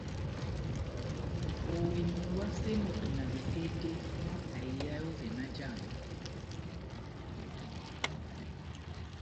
Oinyungwase moto na betete mò aihae ovè nájàmbo.